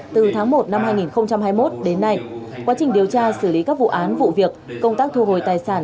từ tháng một năm hai nghìn hai mươi một đến nay quá trình điều tra xử lý các vụ án vụ việc công tác thu hồi tài sản